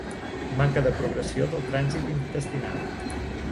Manca de progressió del trànsit intestinal.